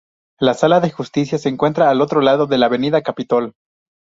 La Sala de Justicia se encuentra al otro lado de la avenida Capitol.